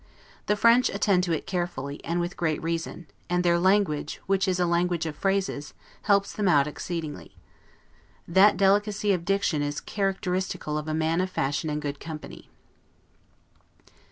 The French attend to it carefully, and with great reason; and their language, which is a language of phrases, helps them out exceedingly. That delicacy of diction is characteristical of a man of fashion and good company.